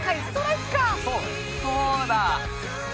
そうだよ。